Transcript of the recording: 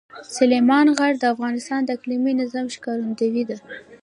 سلیمان غر د افغانستان د اقلیمي نظام ښکارندوی ده.